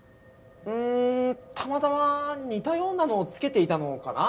たまたま似たようなのをつけていたのかな。